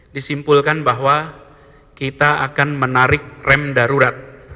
disimpulkan bahwa kita akan menarik rem darurat